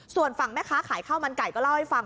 ส่วนฝั่งแม่ค้าขายข้าวมันไก่ก็เล่าให้ฟัง